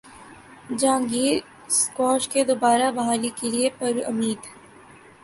Jahangir squash کی دوبارہ بحالی کیلئے پرامید